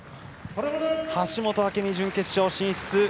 橋本朱未が準決勝進出。